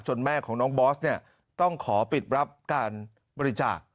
แม่ของน้องบอสเนี่ยต้องขอปิดรับการบริจาค